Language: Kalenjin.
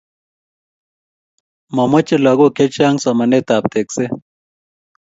Momoje lakok Che Chang somanet ab tekset